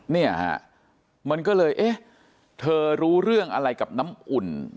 เนี่ยฮะมันก็เลยเอ๊ะเธอรู้เรื่องอะไรกับน้ำอุ่น